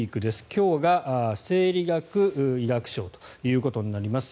今日が生理学医学賞ということになります。